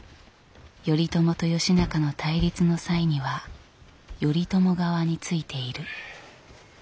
頼朝と義仲の対立の際には頼朝側についている。